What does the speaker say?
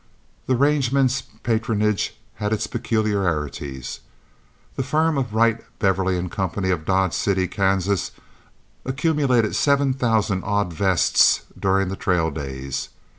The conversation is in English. The range man's patronage had its peculiarities; the firm of Wright, Beverly & Co. of Dodge City, Kansas, accumulated seven thousand odd vests during the trail days.